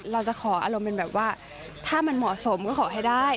เราจะขออารมณ์เป็นแบบว่าถ้ามันเหมาะสมก็ขอให้ได้